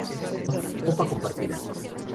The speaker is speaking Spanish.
Nota: Copa compartida.